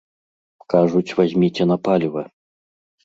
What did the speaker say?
Кажуць, вазьміце на паліва.